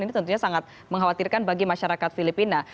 ini tentunya sangat mengkhawatirkan bagi masyarakat filipina